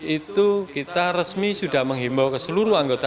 itu kita resmi sudah menghimbau ke seluruh anggota